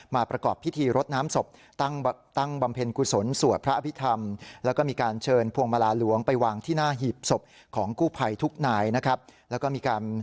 มาประกอบพิธีรดน้ำศพตั้งบำเพ็ญกุศลสวัสดิ์พระอภิษฐรรม